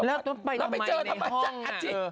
แล้วไปเจอทำไมจ้ะอาจิ